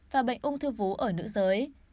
và bệnh ung thư vú ở nữ giới